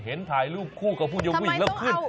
เห็นถ่ายรูปคู่กับผู้เยี่ยมแล้วขึ้น